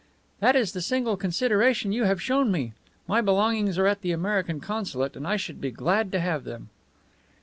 "That is the single consideration you have shown me. My belongings are at the American consulate, and I should be glad to have them."